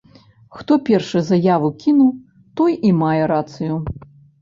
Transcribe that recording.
Хто першы заяву кінуў, той і мае рацыю.